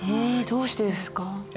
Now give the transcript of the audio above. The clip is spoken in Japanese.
どうしてですか？